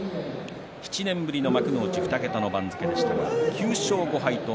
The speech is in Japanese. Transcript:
７年ぶりの幕内２桁の番付でしたが９勝５敗。